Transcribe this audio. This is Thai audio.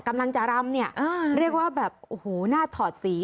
กำลังจะรำเนี่ยเรียกว่าแบบโอ้โหหน้าถอดสี